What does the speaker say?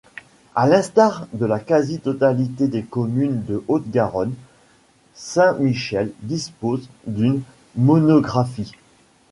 À l'instar de la quasi totalité des communes de Haute-Garonne, Saint-Michel dispose d'une monographie.